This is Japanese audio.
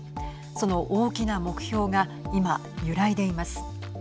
その大きな目標が今、揺らいでいます。